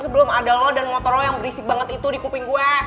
sebelum ada lo dan motor lo yang berisik banget itu di kuping gue